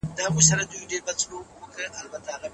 که د انټرنیټ سرعت کم وي نو د ویډیوګانو کیفیت ښکته کیږي.